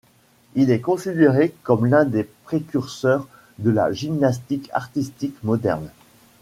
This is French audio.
Il est considéré comme l'un des précurseurs de la gymnastique artistique moderne.